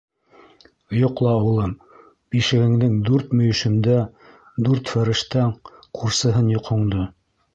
- Йоҡла, улым, бишегеңдең дүрт мөйөшөндә дүрт фәрештәң ҡурсыһын йоҡоңдо.